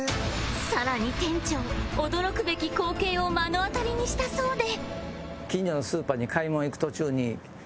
さらに店長驚くべき光景を目の当たりにしたそうで